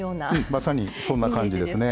まさにそんな感じですね。